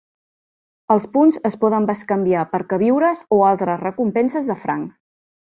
Els punts es poden bescanviar per queviures o altres recompenses de franc.